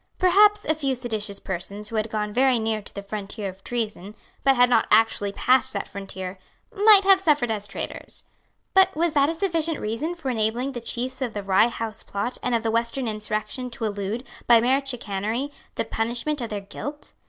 Perhaps a few seditious persons who had gone very near to the frontier of treason, but had not actually passed that frontier, might have suffered as traitors. But was that a sufficient reason for enabling the chiefs of the Rye House Plot and of the Western Insurrection to elude, by mere chicanery, the punishment of their guilt?